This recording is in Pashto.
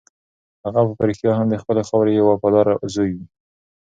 هغه په رښتیا هم د خپلې خاورې یو وفادار زوی و.